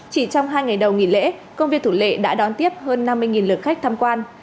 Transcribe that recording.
chỉ trong hai ngày đầu nghỉ lễ công viên thủ lệ đã đón tiếp hơn năm mươi lượt khách tham quan